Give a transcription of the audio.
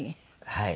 はい。